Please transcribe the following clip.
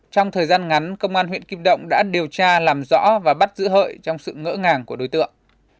trong thời gian ngắn công an huyện kim động đã điều tra làm rõ và bắt giữ hợi trong sự ngỡ ngàng của đối tượng